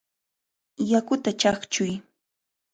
¡Yakuta chaqchuy!